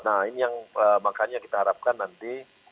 nah ini yang makanya kita harapkan nanti